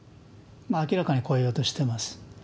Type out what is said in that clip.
明らかに超えようとしてます。